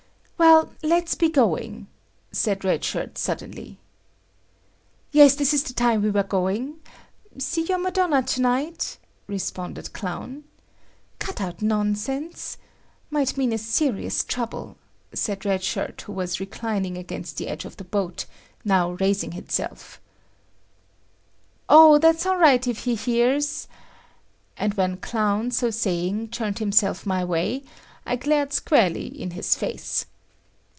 "Well, let's be going," said Red Shirt suddenly. "Yes, this is the time we were going. See your Madonna to night?" responded Clown. "Cut out nonsense …… might mean a serious trouble," said Red Shirt who was reclining against the edge of the boat, now raising himself. "O, that's all right if he hears ...," and when Clown, so saying, turned himself my way, I glared squarely in his face.